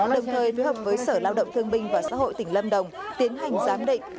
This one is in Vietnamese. đồng thời phối hợp với sở lao động thương binh và xã hội tỉnh lâm đồng tiến hành giám định